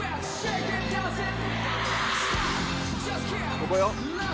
「ここよ」